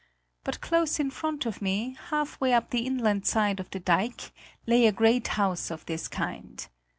But close in front of me, half way up the inland side of the dike lay a great house of this kind.